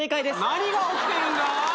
何が起きてるんだ？